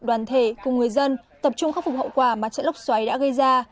đoàn thể cùng người dân tập trung khắc phục hậu quả mà trận lốc xoáy đã gây ra